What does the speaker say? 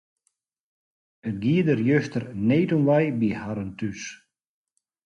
It gie der juster need om wei by harren thús.